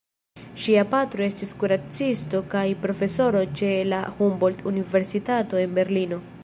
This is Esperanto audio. Ŝia patro estis kuracisto kaj profesoro ĉe la Humboldt-Universitato en Berlino.